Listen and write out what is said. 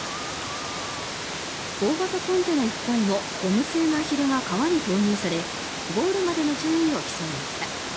大型コンテナいっぱいのゴム製のアヒルが川に投入されゴールまでの順位を競いました。